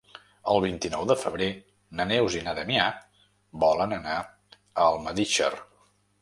El vint-i-nou de febrer na Neus i na Damià volen anar a Almedíxer.